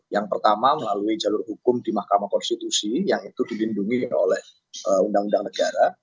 yang pertama melalui jalur hukum di mahkamah konstitusi yang itu dilindungi oleh undang undang negara